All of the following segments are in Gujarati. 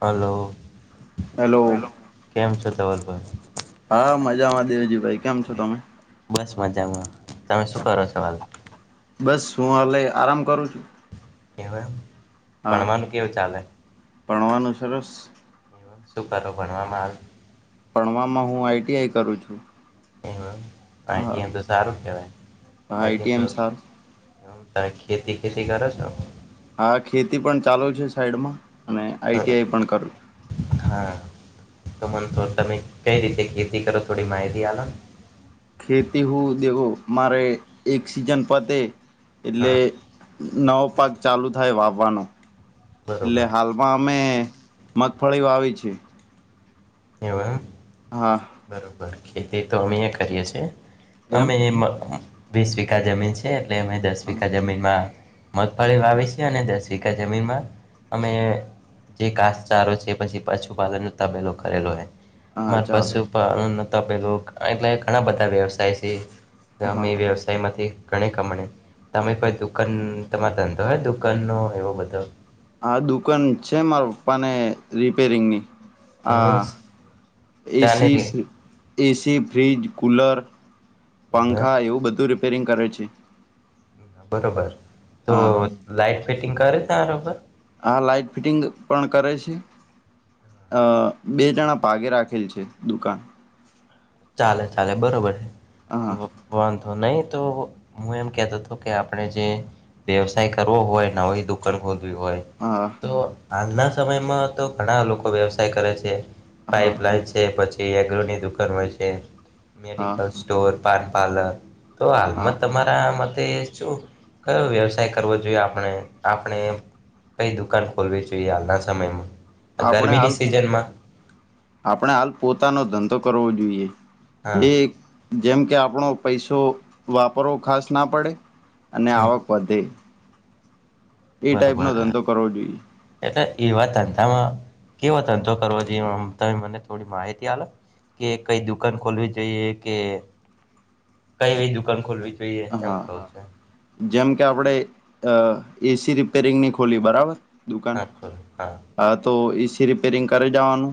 હલો હેલો હલો કેમ છો ધવલભાઈ હા મજામાં દેવજીભાઈ કેમ છો તમે બસ મજામાં તમે શું કરો સવારમાં, બસ હું હલે આરામ કરું છું, એવુ એમ હા ભણવાનું કેવું ચાલે, ભણવાનું સરસ, શું કરો ભણવામાં ભણવામાં હું આઈટીઆઈ કરું છું, એવુ હા આઈટીઆઈ તો સારું કહેવાય આઈટી એમ સારું [unintelligible] હ ખેતી ખેતી કરો છો. હા ખેતી પણ ચાલુ છે, સાઈડમાં અને આઈટીઆઈ પણ કરું. છું હાતો મનતો તમે કંઈ રીતે ખેતી કરો થોડી માહિતી આલોને ખેતી હું દેવો મારે એક સિઝન પતે એટલે, હા નવો પાક ચાલુ થાય વાવવાનો એટલે બરોબર હાલ, એમાં અમે મગફળી વાવી છે. એવું એમ હા બરોબર ખેતીતો અમે એ કરીએ છીએ, એમ અમે એ વીસ વીઘા જમીન છીએ, એટલે અમે દસ વીઘા હા જમીન, મગફાળી વાસે છે, અને દસ વિધા જમીનમાં અમે, જે કાસચારો છે, પછી પશુપાલન નો તબેલો કરેલો છે. મારે ચાલે પશુપાલનનો તબેલો પેલું એટલે ઘણા બધા વ્યવસાય છે, હા ગમેઈ હા વ્યવસાય, એમાંથી ઘણી કમાણે તમે કોઈ દુકાન તમારો ધંધો હોય દુકાન નો એવો બધો, આ દુકાન છે, મારા પપ્પાને રિપેરિંગ ની આ ચાલે એસી, કે એસી, ફ્રીજ, કુલર, પંખા એવું બધું રિપેરિંગ કરે છે. બરોબર તો હા લાઈટફિટિંગ કરે તારો ભાઈ આ લાઇટફિટિંગ પણ કરે છે, અ બે જણા ભાગે રાખેલ છે, દુકાન ચાલે ચાલે બરોબર છે, હા વાંધો નહીં તોહું એમ કહેતો હતો કે, આપણે જે વ્યવસાય કરવો હોય ને હોય દુઃખે ઓ હોય હા તો આજના સમયમાં તો ઘણા લોકો વ્યવસાય કરે છે, હા પાઇપલાઈન છે, એગોની દુકાન હોય છે, હા મેડિકલ. તો પાનપાર્લર તો, હા હાલમાં તમારા શું કયો વ્યવસાય કરવો જોઈએ? આપણે આપણે. કંઈ દુકાન ખોલવી જોઈએ હાલના સમયમાં. આપણે ગરમીની હાલ, સિઝનમાં આપણે હાલ પોતાનો ધંધો કરવો જોઈએ. હા જે જેમ કે, આપણો પૈસો વાપરવો ખાસના પડે. અને હા આવક વધે. એ ટાઈપનો બરાબર. ધંધો કરવો જોઈએ એટલે એવા ધંધામાં કેવો ધંધો કરવો, જે તમે મને થોડી માહિતી આલો. કે કંઈ દુકાન ખોલવી જોઈએ કે, કંઈ એવી દુકાન ખોલવીજો. જો એમ હા કરે છે. જેમ કે, આપણે અ એસી રિપેરિંગની ખોલી, બરાબર. હા, ખોલ હા. હાતો, એસી રિપેરિંગ કરે જાઓનું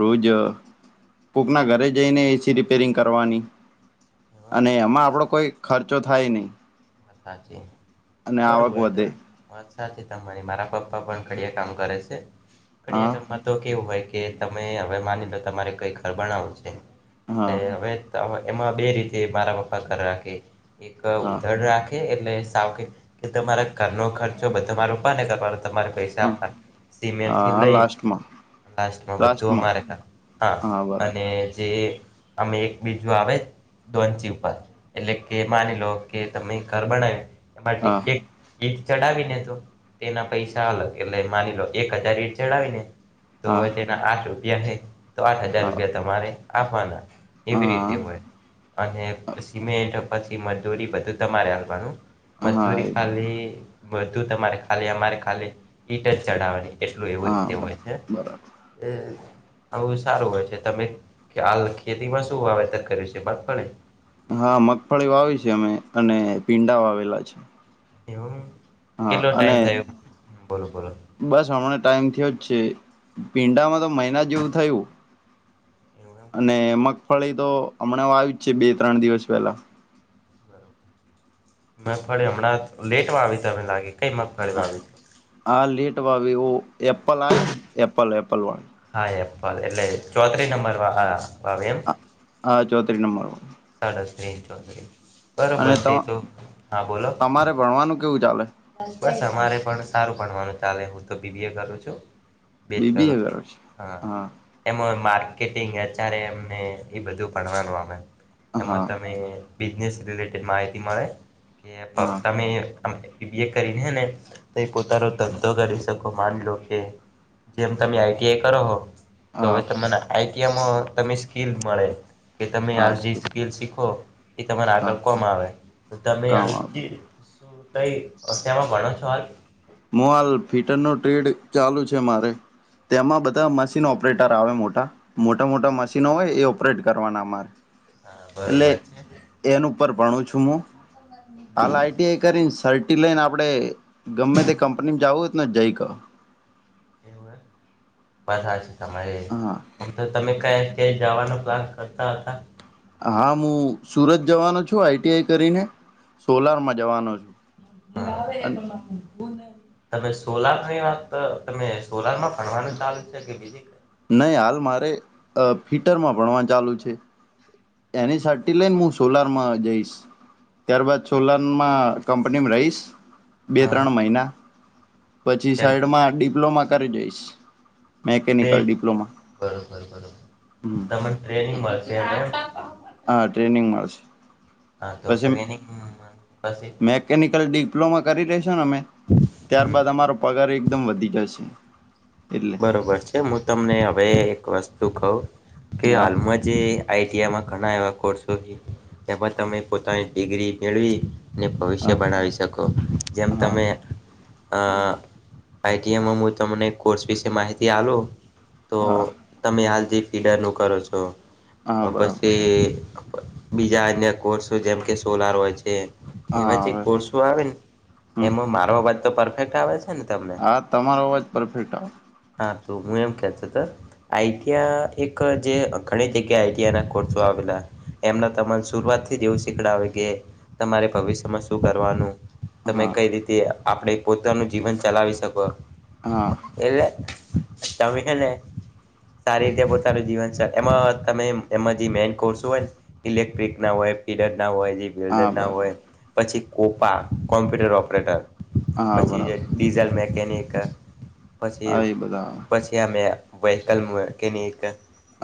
રોજ. કોકના ઘરે જઈને એસી રિપેરિંગ કરવાની, અને વાત એમાં આપડો કોઈ ખર્ચો થાય નહીં. સાચી આવક બરાબર છે. વધે વાત સાચી તમારી, મારા પપ્પા પણ કડિયા કામ કરે છે, હા કડિયા કામ. તો કેવું હોય કે, તમે હવે માની લો, તમારે કઈ ઘર બનાવાનું છે, હા એટલે હવે એમાં બે રીતે મારા પપ્પા કરવા કેય, એક હા ઉધાર રાખે. એટલે સાવ કે, તમારા ઘર નો ખર્ચો, તમારે ઉપાટ ને કરવાનો તમારે. પૈસા હા સિમેન્ટથી હા લઈ. લાસ્ટમાં લાસમાં બધું લાસ્ટમાં અમારે. હા, અને જે અમે એક બીજું આવે, દોનચી ઉપર એટલે કે માની લો કે, તમે ઘર બનાવે, એ માટે હા એક. ઈટ ચડાવીને, તો તેના પૈસા અલગ એટલે માની લો, એક હજાર ઈટ ચડાવી ને. તો હા તેના આઠ રૂપિયા છે, તો આઠ હજાર હા રૂપિયા તમારે. આપવાના, એવી રીતે હા હોય. અને સિમેન્ટ પછી, મજૂરી બધું તમારે. હા મજદૂરી એ ખાલી. બધું તમારે ખાલી, અમારે ખાલી હીટ જ ચઢાવવાની, એટલું એવું હા રીતે હોય બરાબર છે. બરાબર હમ. આવું સારું હોય છે, તમે હાલ ખેતીમાં શું વાવેતર કર્યું છે? બાત પડે. હા, મગફળી વાવી છે અમે, અને ભીડા વાવેલા છે. એવું, હા કેટલો અને ટાઈમ થયો? બોલો બોલો. બસ હમણાં ટાઈમ થયો જ છે, ભીડામાં તો મહિના જેવું થયું. એવું એમ અને મગફળી તો હમણાં આવી જ છે, બે-ત્રણ દિવસ પહેલા. મગફળીણા લેટમાં આવી લાગે, ક મગફળીમાં આવી. હા, લીટ વાવું, એપલ આવેયને, એપલ એપલ વાળા. હા, એપાલ એટલે ચોત્રીસ નંબર હવા એમ. હા, ચૌત્રીસ નંબર. સાડાો સ્્રેન્ચવા છે [unintelligible] અને તો, હા બોલો તમારે ભણવાનું કેવું ચાલે? બસ, અમારે પણ સારું ભણવાનું ચાલે, હું તો બીબી એ કરું છું. બી. બી. એ, હમ. એમ માર્કેટિંગ, એચઆરે એમને એ બધું ભણવાનું આવે. હા એમાં તમે બિઝનેસ રિલેટેડ માહિતી મળે કે પબ હા તમે અમ બીએ કરીને હે ને તે પોતાનો ધંધો કરી શકો માની લો કે જેમ તમે આઈટીઆઈ કરો હો તો હા હવે તમને આઈટીઆઈમાં તમે સ્કીલ મળે. કે તમે હાલ જે હા સ્કીલ શીખો એ તમારે હા આગળ કોમ આવે. તો તમે કામ આવ કઈ શું શેમાં ભણો છો હાલ? મું હાલ ફિટરનો ટ્રેડ ચાલુ છે મારે. તેમાં બધા મશીન ઓપરેટર આવે મોટા. મોટા મોટા મશીનો હોય ને એ ઓપરેટ કરવાના અમારે. હા બરોબર છે, એનું ઉપર ભણું છું હું. હાલ આઈટીઆઈ કરીને સર્ટ ટી લઈને આપડે ગમે તે કંપની જવું હો ને જઈ કહ. એવું એમ? વાત હાચી તમારી હા ઓમ તો તમે કાઈ ક્યાંય જાવાનો પ્લાન કરતા હતા? હા હું સુરત જવાનો છું આઈટીઆઈ કરીને સોલારમાં જવાનો છું. હા અને [inaudible] તમે સોલારની વાત તમે સોલારમાં ભણવાનું ચાલુ છે કે બીજી કઈ નહી હાલ મારે ફીટરમાં ભણવા ચાલુ છે. એની સાથે લઈને મુ સોલારમાં જઈશ. ત્યારબાદ સોલારમાં કંપનીમાં રહીશ બે હા ત્રણ મહિના. પછી સાઈડમાં ડિપ્લોમા કરી દઈશ. બરોબર બરોબર. હમ તમને ટ્રેનિંગ મળશે એને હા ટ્રેનિંગ મળશે. હા તો ટ્રેનિંગમાં પછી નિકલ ડિપ્લોમા કરી લેશું ને અમે હમ ત્યારબાદ અમારો પગાર એકદમ વધી જશે. એટલે બરોબર છે મું તમને હવે એક વસ્તુ કઉં કે હા હાલમાં જે આઈટીઆઈ માં ઘણા એવા કોર્સો હે એમાં તમે પોતાની ડિગ્રી મેળવી ને ભવિષ્ય હા બનાવી શકો. જેમ હા તમે અ આઈટીઆઈ માં હું તમને કોર્સ વિશે માહિતી આલું તો હા તમે હાલ જે ફીડરનું કરો છો હા બરાબર પછી બીજા આજના કોર્સો જેમ કે સોલાર હોય છે. હા એવા જે હવે કોર્સો આવે ને હમ એમાં મારો અવાજ તો પરફેક્ટ આવે છે ને તમને? હા તમારો અવાજ પરફેક્ટ આવે. હા તો હું એમ કેતો તો આઈટીઆ એક જે ઘણી જગ્યા આઈટીઆ ના કોર્સો આવેલા. એમના તમા શુરુઆત થી જ એવું શીખડાવે કે તમારે ભવિષ્યમાં શું કરવાનું. તમે હા કઈ રીતે આપણે પોતાનું જીવન ચલાવી શકો. હા એટલે તમે હે ને સારી રીતે પોતાનું જીવન એમાં તમે એમાં જે મેન કોર્સ હોય ને ઇલેક્ટ્રિક ના હોય, ફીડરના હોય જે હા વેલ્ડરના બરાબર હોય પછી, કોપા કોમ્પ્યુટર ઓપરેટર હા પછી જે બરાબર ડીઝલ મેકેનિક પછી હા એ બધા પછી અમે વહકલ મું કેની એક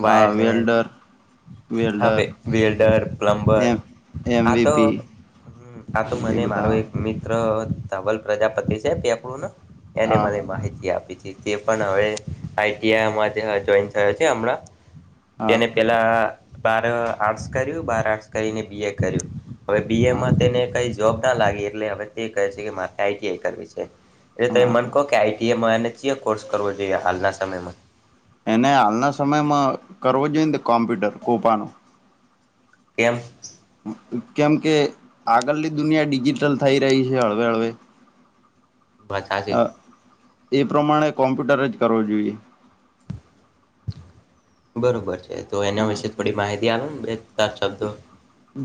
હા વેલ્ડર હા વેલ્ડર વે વેલ્ડર, પ્લમ્બર એમ આતો એમવીપી હમ આ તો એ મને મારો બધા એક મિત્ ત્ર ધવલ પ્રજાપતિ છે પેપડું નો એને આવે મને માહિતી આપી છે. તે પણ હવે આઈ. ટી. આઈ માંથી જોઈન થયો છે હમણાં હા તેને પેલા બાર આર્ટસ કર્યું, બાર આર્ટસ કરીને બી એ કર્યું. હવે બી હા એમાં તેને કઈ જોબ ના લાગી એટલે હવે તે કહે છે કે મારે આઈટીઆઈ કરવી છે. એટલે હા તમે મન હા કહો કે આઈટીઆઈ માં હે ને કોર્સ કરવો જોઈએ હાલના સમયમાં? એને હાલના સમયમાં કરવો જોઈએ ને તો કોમ્પ્યુટર કોપાનો. કેમ. કેમ કે આગળની દુનિયા ડિજિટલ થઈ રહી છે હળવે હળવે. બસ આજે અ એ પ્રમાણે કોમ્પ્યુટર જ કરવો જોઈએ. બરોબર છે તો એના હા વિશે થોડી માહિતી આવે ને બે ચાર શબ્દો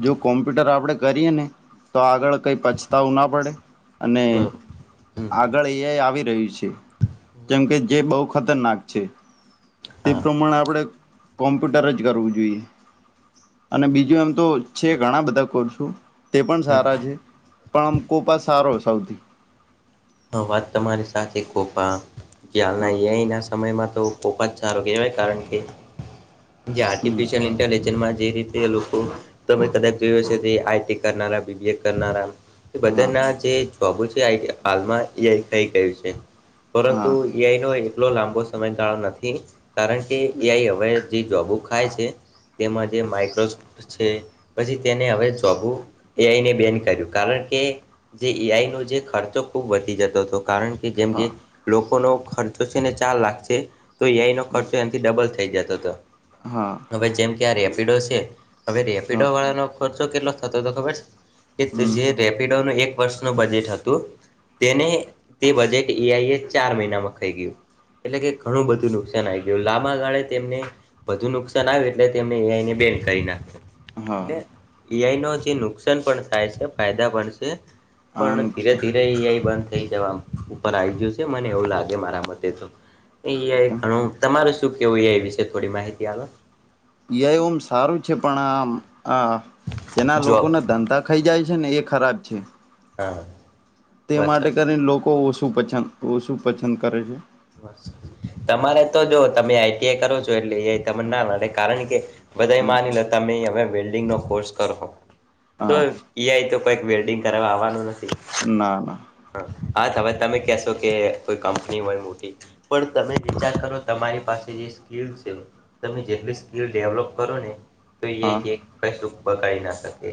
જો કોમ્પ્યુટર આપડે કરીએ ને તો આગળ કઈ પછતાવું ના પડે અને બરોબર હમ આગળ એઈ આવી રહ્યું છે જેમ હમ. કે જે બહુ ખતરનાક છે તે હા પ્રમાણે આપણે કોમ્પ્યુટર જ કરવું જોઈએ. અને બીજું એમ તો છે ઘણા બધા કોર્સો તે પણ હમ. સારા છે. પણ આમ [unintelligible] સારો સૌથી. હ વાત તમારી સાથે કોપા જે હાલના હા એ ઈ ના સમયમાં તો ખૂ જ સારું કહેવાય કારણ કે જે હમ આર્ટિફિશયલ ઇન્ટેલિજન્સમાં જે રીત તે એ લોકો તમે કદાચ જોય હશે આઈટી કરના બીબીએ કરના હા બધાના જે [unintelligible] હાલમાં એ આઈ થઈ ગયું છે પરંતુ હા એ આઈ નો એટલો લાંબો સમયગાળો નથી. કારણ કે એ આઈ હવે જે [unintelligible] ખાય છે તેમાં જે માઈક્રોસ છે પછી તેને હવે જોબુ એ આઈને બેન કર્યું કારણ કે જે એ આઈ નો જે ખર્ચો ખૂબ વધી જતો હતો કારણ કે જેમ કે હા લોકોનો ખર્ચો છે ને ચાર લાખ છે. તો એ આઈ નો ખર્ચો એનાથી ડબલ થઈ જતો હતો. હા. હવે જેમ કે આ રેપિડો છે હવે રેપિડો હા વાળાનો ખર્ચો કેટલો થતો તો ખબર છે. એ હમ જે રેપિડો નો એક વર્ષનું બજેટ હતું. તેને તે બજેટ એ આઈ એ ચાર મહિનામાં ખાઈ ગયું. એટલે કે ઘણું બધું નુકસાન આવી ગયું લાંબા ગાળે તેમને બધું નુકસાન આવે એટલે તેમને એઆઈને બેન કરી નાખે. હા એટલે એઆઈ નો જે નુકસાન પણ થાય છે ફાયદા પણ છે. આ પણ ધીરે નુકસાન ધીરે એ આઈ બંધ થઈ જવા ઉપર આવી ગયું છે મને એવું લાગે મારા મતે તો. એ આઈ ઘણું તમારું શું કેવું એ આઈ વિશે થોડી માહિતી આપો. એ આઈ ઓમ સારું છે પણ આમ આ જેના લોકો જોબ ના ધંધા ખાઈ જાય છે ને એ ખરાબ છે. હા. તે માટે વરસાદ કરીને લોકો ઓછું પસંદ ઓછું પસંદ કરે છે. તમારે તો જો તમે આઈ ટી આઈ કરો છો તો એટલે એ આઈ તમને ન પડે કારણ કે બધા હા માની લો તમે વેલ્ડીંગ નો કોર્સ કર હો તો હા એ આઈ તો કઈક વલ્ડિંગ કરવા આવવાનું નથી. ના ના. હ હા હવે તમે કશો કે કોઈ કંપની હોય મોટી પણ તમે વિચાર કરો તમારી પાસે જે સ્કીલ છે [unintelligible] તમે જે તે સ્કીલ ડેવલપ કરો ને તો એ હા આઈ [unintelligible] શકે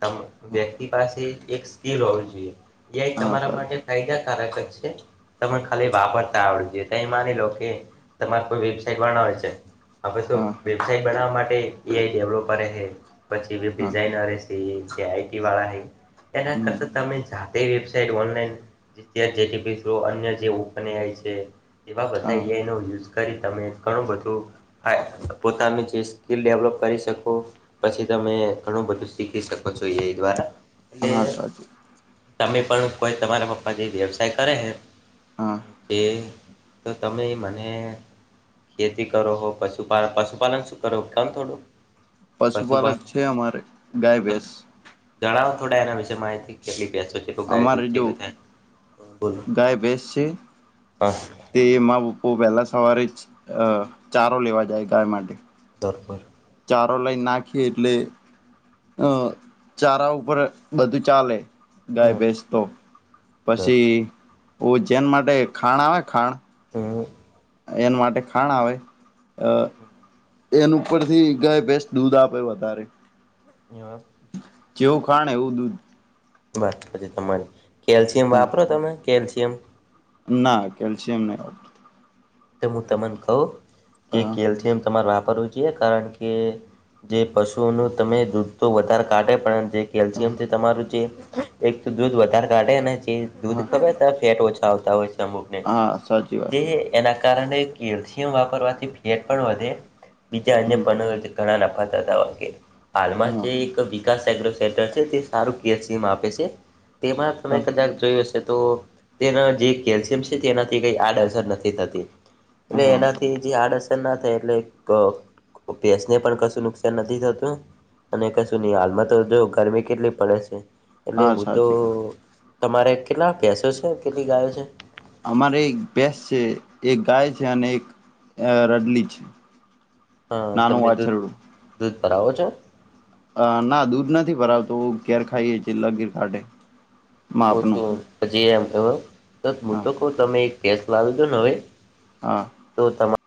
તમે વ્યક્તિ પાસે એક સ્કેલ હોવી જોઈએ એ આઈ હા તમારા માટે સાચું ફાયદાકારક જ છે. તમે ખાલી વાપરતા આવડું જોઈએ તો એ માની લો કે તમારે કોઈ વેબસાઈટ બનાવે છે. આપડે તો હા વેબસાઇટ બનાવવા માટે એ આઈ ડેવલોપર કરે છે પછી હા ડિઝાઇનરે ઈ છે આ ઈ ટી વાળા હે એના હમ કરતા તમે જાતે વેબ તે જ ઓનલાઇન [unintelligible] અન્ય જે ઉપન્યા હોય છે. એવા બધા એ હા આઈ નો યુઝ કરી તમે ઘણું બધું આય પોતાની જે સ્કિલ ડેવલપ કરી શકો પછી તમે ઘણું બધું શીખી શકો છો એ આઈ દ્વારા. એટલે હા સાચું. તમે પણ કોઈ તમારા પપ્પા જે વ્યવસાય કરે હે હા એ તો તમે મને ખેતી કરો હો પશુપ પશુપાલન શું કરો કામ થોડું પશુપાલક પશુપાલન છે અમારે ગાય તો ભસ જણાવો થોડા એના વિશે માહિતી કેટલી બેસો ગાય તો અમારે જો છેલો થાય હ બોલ ગાય ભેંસ છે હા તે એમાં પપ્પો પહેલાં સવારે જ ચારો લેવા જાય ગાય માટે દરબાર ચારો લાઈન નાખી એટલે અ ચારા ઉપર બધું ચાલે ગાય ભેસતો દર પછી ઓ જેન માટે ખાણ આવે ખાણ હમ્મ એના માટે ખાણ આવે અ એન ઉપર થી ગાય બેસ દૂધ આપે વધારે ન્યુયોર્ક જેવું ખાણ એવું દૂધ બસ પછી તમારી કેલ્શિયમ વાપરો તમે કેલ્શિયમ ના કેલ્શિયમ નહી તો હું તમને કહું કે કેલ્શિયમ તમારે વાપરવું જોય કારણ કે જે પશુઓનું તમે દૂધ તો વધારે કાઢે પણ જે હા કેલ્શિયમ છે તમારું જે એક તો દૂધ વધારે કાઢે ને કે દૂધ હા ખબર ફેટ ઓછા આવતા હોય છે અમુક ને હા સાચી વાત એના કારણે કેલ્શિયમ વાપરવાથી ફેટ પણ વધે બીજા અન્ય હમ ઘણા નફા થતા વાગે હાલમાં હા એક [unintelligible] તે સારો કેલ્શિયમ આપ છે તેમાં તમે હા કદાચ જોય હશે તો તેના જે કેલ્શિયમ છે તેનાથી કઈ આડઅસર નથી એટલે હા એના હડઅસર ના થાય એટલે ભેસને પણ કશું નુકસાન નથી થતું અને કશું નહી હાલમાં તો જો ગરમી કેટલી પડે છે એટલે હા હું તો સાચી વાત તમારે કેટલા બેસો છે કેટલી ગાયો છે અમારે એક ભેસ છે એક ગાય છે અને એક રડલી છે હા નાનું તમે દૂધ વાછરડું દૂધ ભરાવો છો અ ના દૂધ નથી ભરાવતુ ઘેર ખાઈએ લગીર કાઢે માપનું ઓછું હજી એમ હું હા તો કહ તમે એક ગેસ લાવી દોને હવે હા તો તમા